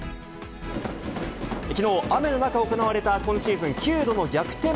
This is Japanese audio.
きのう、雨の中行われた、今シーズン９度の逆転